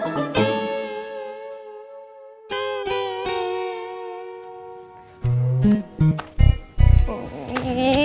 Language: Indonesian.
oh ya sama sama